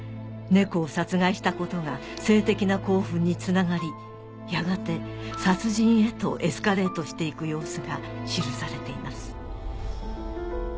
猫を殺害したことが性的な興奮につながりやがて殺人へとエスカレートして行く様子が記されています